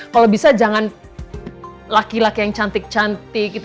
kalau bisa jangan laki laki yang cantik cantik gitu